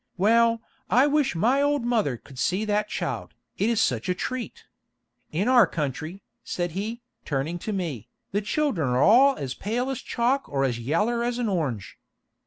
Well, I wish my old mother could see that child, it is such a treat. In our country," said he, turning to me, "the children are all as pale as chalk or as yaller as an orange.